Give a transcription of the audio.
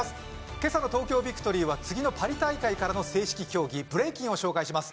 今朝の「東京ＶＩＣＴＯＲＹ」は次のパリ大会からの正式競技ブレイキンを紹介します